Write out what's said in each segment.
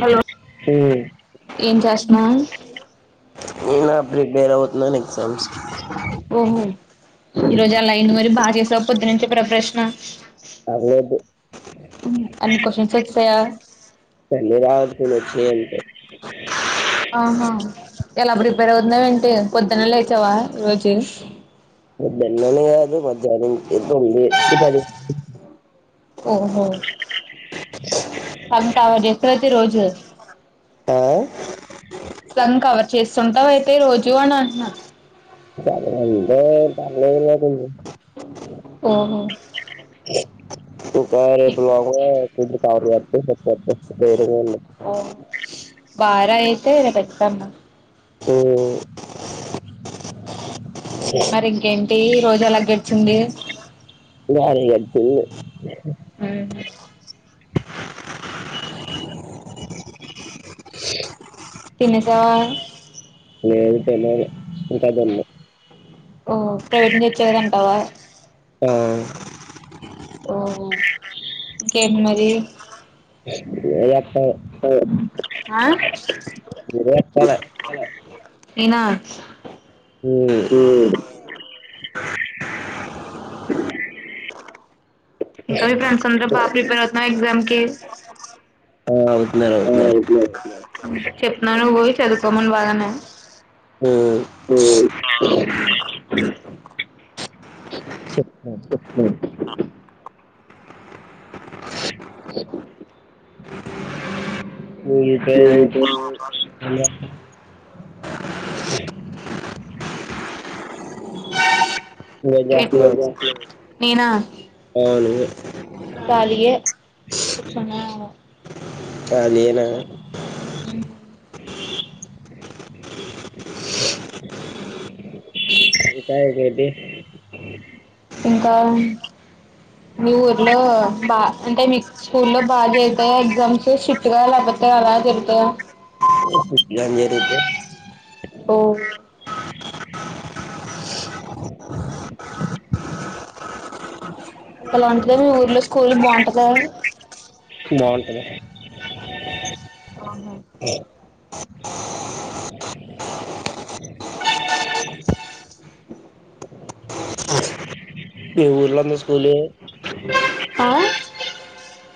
Hello హ్మ్ ఏం చేస్తున్నావ్ నేనా ప్రిపేర్ అవుతున్నా ఓహో ఈ రోజు ఎలా అయ్యింది మరి బా చెస్ పొద్దున్నుంచి ప్రిపరేషన్ పర్లేదు ఉ అన్ని కోషన్స్వి ఇచ్ తాయ పేళ్ళి రాచ్చు వచ్చే అంతే ఆహా ఎలా ప్రిపేర్ అవుతున్నావ్ ఏంటి పొద్దున్నే లేచావా ఈరోజు పొద్దున్నే కాదు మధ్యాహ్నం ఎటుంది ఇది ప్రతిస్థి [unintelligible] ప్రతి రోజు ఆ సన్ కవర్ చేస్తుంటావ అయితే రోజు అని అంటున్నా చానా రోజులు అవుతుంది ఓహో ఉ [unintelligible] దే ఆ భార్య అయితే రేపు [unintelligible] అ ఉ మరి ఇంకే డే రోజు ఎలా గడిచింది. బానే గడిచింది. మ్ తినేసవా లేదు తెల్వదు. ఇంకా తిన్లే ఓ ప్రైవేట్ చేయారంటావా ఆ ఓహో ఇకేంటి మరి ఎక్క ఆ నువ్వే చెప్పాలే అ మ్ ఇంకా మీ ఫ్రెండ్స్ అందరు బా ప్రిపేర్ అవుతున్నారా ఎగ్జామ్కి. ఆ అవుతున్నారు అవుతున్నారు చెప్తున్నాను నువ్ పోయి చదువుకోమను వాళ్ళను హ్మ్ చెప్తాన్ మీ పేరే నువ్వేం రేప్ చేస్తున్నావ్? నేనా అవును కాలీయే కూర్చున్నాను. అదేనా [inaudible] [inaudible] ఇకా ఏటేటి ఇంకా మీ ఊర్లో బా అంటే మీక్ స్కూల్లో బాగా జరుతాయా ఎగ్జామ్స్ స్ట్రిక్ట్గా లేకపోతే అలా జరుతాయా. ఎగ్జామ్ జరిగితే ఓ [inaudible] [inaudible] [inaudible] [inaudible] ఎలా ఉంటది మీ ఊర్లో స్కూల్ బాగుంట. [unintelligible] బాగుంటదా అవును [inaudible] [unintelligible] మీ ఊర్లో ఉన్న స్కూలే ఆ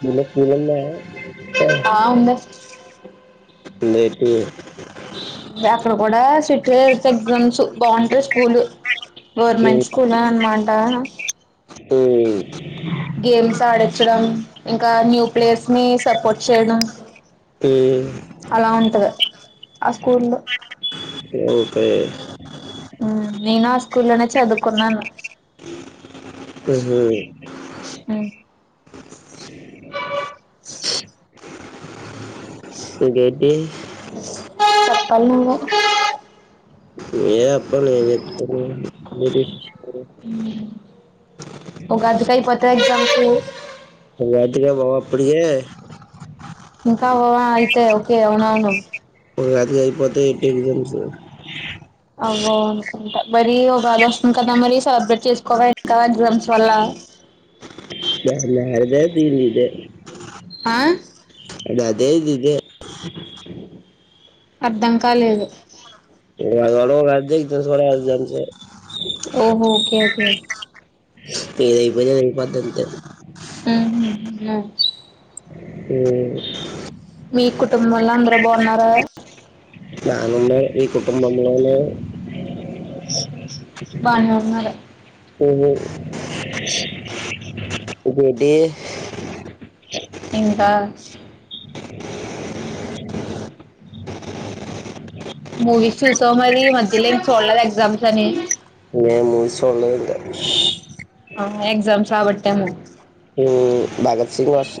మీ ఊర్లో స్కూల్ ఉందా. ఆ ఉంది ఉందేమిటి. అక్కడ కూడా. టత్ ఎగ్జామ్స్ బాగుంటాయి స్కూలు. గవర్నమెంట్ స్కూల్ అన్ మ. ఆహా. హ. గేమ్స్ ఆడంచడం ఇంకా న్యూ ప్లేయర్స్ ని సపోర్ట్ చేయడం. [inaudible] అలా ఉంటుంది ఆ స్కూల్లో. ఓకే. నేను ఆ స్కూ లోనే చదువుకున్నాను. ఆహ. అ. ఇంకేంటి చెప్పాలా నువ్వు ఏ న [inaudible] ఒక అది కాపోత్ర ఎగ్జామ్స్ టిగా బావ అప్పుడి ఇంకా అయితే ఓకే అవున అవును. ఒక అదిగా అయిపోతే ఎ ఎగ్జామ్స్. [inaudible] అ అంట మరీ ఒక బద వస్తుంది కదా మరీ సెలబ్రేట్ చేసుకోవాలి ఇంకా ఎగ్జామ్స్ వల్ల. ఎ లే అదేది ఇల్ ఇదే. ఆ అద అదే ఇది ఇది అర్ధం కాలేదు వా వయివా అాే ఓహో ఓకక ఏదైతే అది అయిపోద్ది అ అ ఈ కుటుంబంలో అందరు బాగున్నారురా బాగా ఉన్నాం మీ కుటుంబం బానే ఉన్నారు హ్మ్మ్ [unintelligible] ఇంకా మూవీస్ చూసావు మరి మధ్యలోం చూడలేదు ఎగ్జామ్స్ అని మూవీస్ చూడలేదా అండి ఎగ్జామ్స్ కాబట్టి తము భగత్ సింగ్ అస్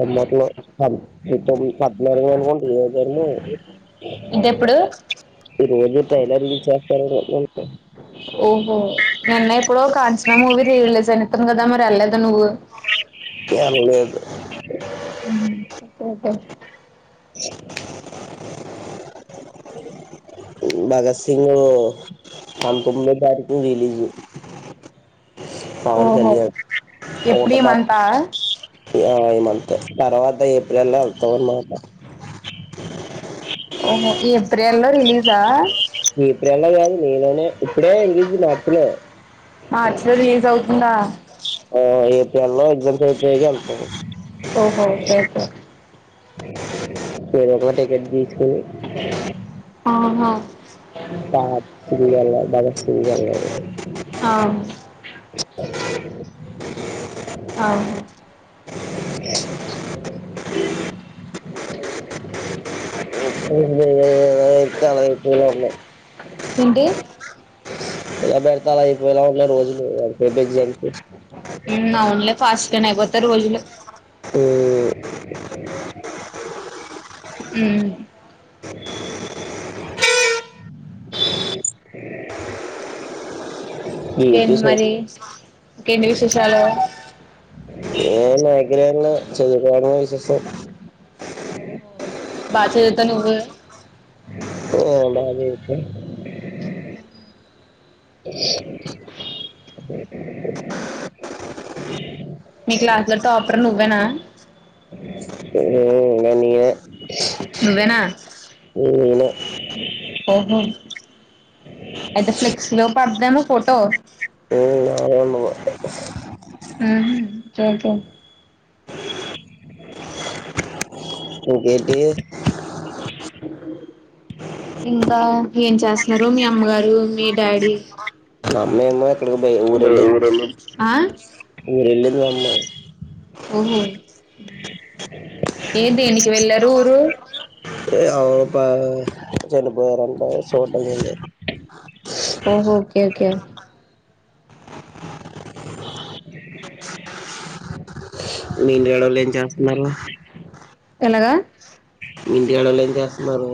అమట్లోమ్ పద్నాలుగు అనుకోండి ఇ జర్ము ఇదిెప్పుడు ట్రైలర్ రిలీజ్ చేస్తారని ఓహో నిన్న ఎప్పుడో కచన మూవి రీ రిలీజ్ కదా వెళ్లలేదా నువ్వు లేదు ఒకే బగాస్ సింగ్ అకు జారి రిలీజ్ అ ఓహో ఎప్పుడ ఒకటో ఈ మంత్ తారీఖు ఈ మంత తర్వాత ఏప్రిల్ లో అత మాట ఓహో ఏప్రిెల్ లో రిలీజా ఏప్రిల్ లో కాదు నీలోనే ఇప్పుడే రిలీజ్ మార్చిలో మార్చ్ లో రిలీజ్ అవుతుందా ఏప్రిల్ లో ఎగ్జామ్స్ అయిపో అా ఓహో ఓకే ఓకే టెకెట్ ద తీసుకొని ఆహా పా శ గవా [unintelligible] బదే ఆ [unintelligible] [inaudible] అవును ఇప్పుడు ఇస్తాబై కూలర్ లు అన్న ఏంటి [unintelligible] ఎ బెర్థాలయి వేళ ఉన్నా రోజులు మిడ్ ఎక్జామ్ కి కొత్త రోజులు ఊ ఉమ్ మీటిస్ వస్తాయి ఏంటి విశేషాలు ఏ నా దగ్గర ఏం లేదు చదుకో విశేషం బా చదువుతావు నువ్వు ఉమ్ బాగా చదువుతా ఇష్ అ మీ క్లాస్ లో టాపర్ నువ్వేనా ఊ నేనే నువ్వేనా నేనే ఓహో అయితే ఫ్లెక్స్ లో పడిద్దేమో ఫోటో నాదే ఉండదు ఊహు చదువుతావ్ ఇంకేంటి ఇంకా ఏం చేస్తున్నారు మీ అమ్మగారు మీ డాడీ మేమా ఇక్కడ ఊరెళ్ళి ఆ ఊరెళ్ళినాము ఓహో ఏ దేనికి వెళ్ళరు ఊరు అవును పా చనిపోయారంట చూడ్డం వెళ్ళి ఓహో ఓకే ఓకే మీ నీడ లే చేస్తున్నరు ఎలాగ ఇంటికాడొల్లు ఏం చేస్తున్నారు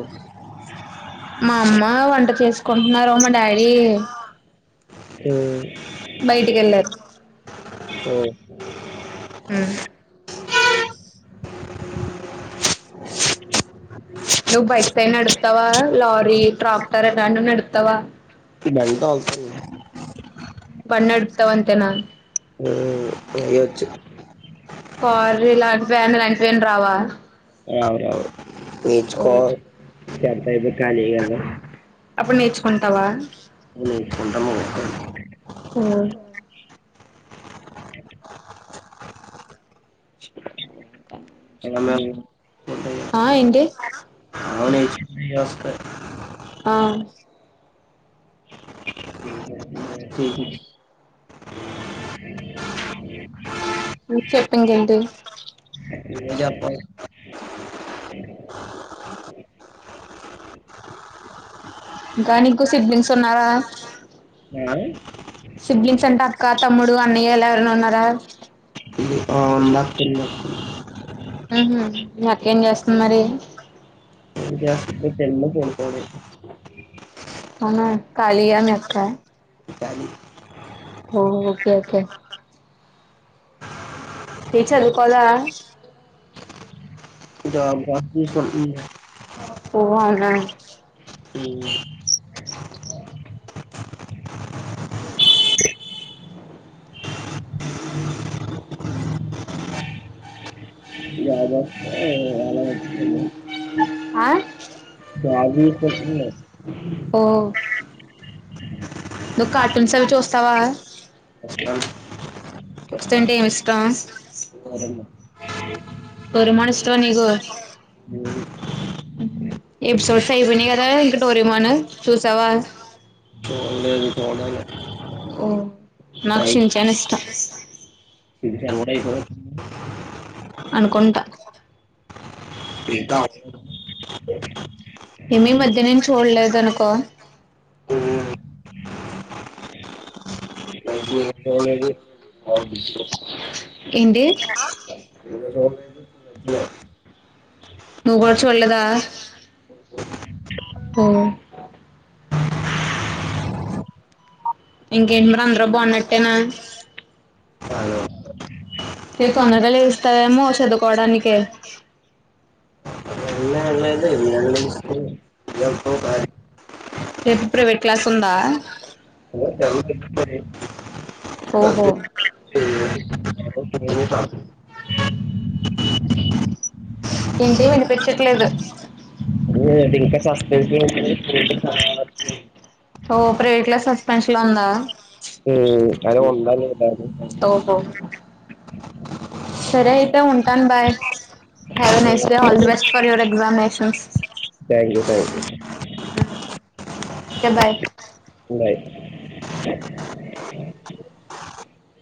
మా అమ్మ వంట చేసుకుంటున్నారు మా డాడీ ఉమ్ బయటికి వెళ్ళారు ఉమ్ నువ్ బైక్స్ అవి నడుపుతావ లారీ ట్రాక్టర్ ఇట్టాంటివి నడుపు తవా బండి తోల్తను బండి నడుపుతావ్ అంతేనా ఉమ్ కారు ఇలాంటివన్ని నడిపేకి రావా రావు రావు ఓ నేర్చుకో టెన్త్ అయిపోయాక ఖాళీ కదా అప్పుడు నేర్చుకుంటావా నేర్చుకుంటా ఓ ఆ అవును ఏంటి [unintelligible] ఆ అ [inaudible] చెప్పు ఇంకేంటి అ ఏం చెప్పాలి దానికి కూడ సిడ్లింగ్ ఉన్నారా ఏ సిబ్లింగ్స్ అంట అక్క తమ్ముడు అన్న ఎలారున్న ఉన్నార ఆ ఉంది అక్క ఉంది ఉహు మీ ఏం చేస్తుంది మరి తిన్న తిన్న పడుకోవడమే అవునా కలియ మీ అక్క కాలీ ఓ ఓకే ఓకే ఏ చదువుకోదా జాబ్ ఓ అవునా [unintelligible] హమ్ అహ [inaudible] ఆ ఓ [unintelligible] నువ్వు కార్టూన్స్ అవి చూస్తావా [inaudible] ఏం ఇష్టం సరేమ్మా. పరిమా ఇష్టం నీకు [inaudible] హాయ్ ఎపిసోడ్స్ అయిపోయినాయి కదా డోరెమాన్ చూసావా చూడలేదు చుడను ఓ నాకు శించన్ ఇష్టం ఇది కూడా అయిపోతుంది అనుకుంటా ఇంకా ఉమ్. ఏమి మధ్యనను చూడలేదు అనుకో అయితే చూడలేదు ఎంటి నువు కూడా చూడలేదా హ్మ్ ఇంకేంటి మరి అందరు బాగున్నట్టేనా హలో రేప్ తొందరగా వెళ్ళలేదు లేస్తారేమో చదువుకోవడానికి వెళ్ళలేదు ఎంతో రేపు ప్రైవేట్ క్లాస్ ఉందా కాదు ఓహో ఏంటి వినిపించట్లేదు [unintelligible] ఓ ప్రైవేట్ లా సస్పెన్షన్ లో ఉందా హ్మ్ అయిన వాళ్ళు ఉండాలి కదా సార్ ఓహో కు సరే అయితే ఉంటాను bye have a nice day all the best for your examinations thank you thank okay you bye thank you